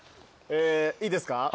いいですか？